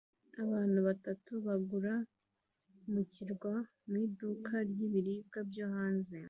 Abantu batatu bagura mu kirwa mu iduka ry’ibiribwa byo hanze